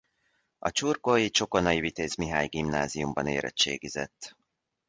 A csurgói Csokonai Vitéz Mihály Gimnáziumban érettségizett.